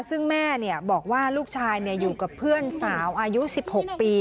ซึ่งแม่บอกว่าลูกชายอยู่กับเพื่อนสาวอายุ๑๖ปี